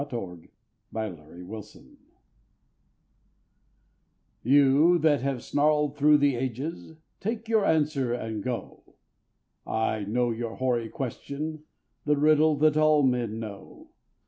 THE PESSIMIST You that have snarled through the ages, take your answer and go I know your hoary question, the riddle that all men know.